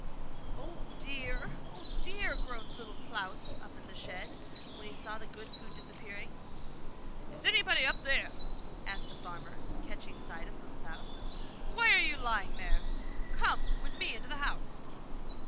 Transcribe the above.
'Oh, dear! oh, dear!' groaned Little Klaus up in the shed, when he saw the good food disappearing. 'Is anybody up there?' asked the farmer, catching sight of Little Klaus. 'Why are you lying there? Come with me into the house.